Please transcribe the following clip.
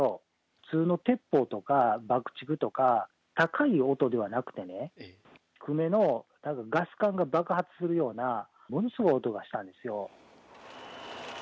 普通の鉄砲とか爆竹とか高い音ではなくてね、低めの、たぶんガス管が爆発するような、ものすごい音がしたんですよ。